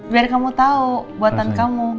biar kamu tahu buatan kamu